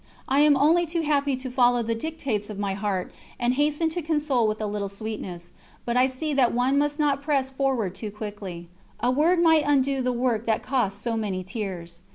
I am only too happy to follow the dictates of my heart and hasten to console with a little sweetness, but I see that one must not press forward too quickly a word might undo the work that cost so many tears.